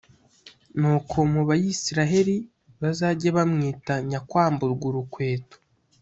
nuko mu bayisraheli bazajye bamwita «nyakwamburwurukweto».